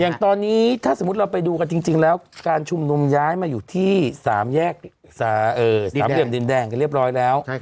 อย่างตอนนี้ถ้าสมมุติเราไปดูกันจริงแล้วการชุมนุมย้ายมาอยู่ที่๓เหลี่ยมดินแดงกันเรียบร้อยแล้ว